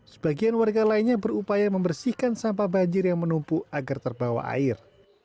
sebagian warga lainnya berupaya membersihkan sampah banjir yang menumpuk agar terbawa air